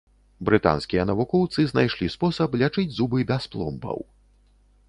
Брытанскія навукоўцы знайшлі спосаб лячыць зубы без пломбаў.